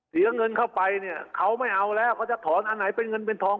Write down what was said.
เสียเงินเข้าไปเนี่ยเขาไม่เอาแล้วเขาจะถอนอันไหนเป็นเงินเป็นทอง